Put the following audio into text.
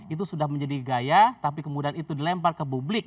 itu sudah menjadi gaya tapi kemudian itu dilempar ke publik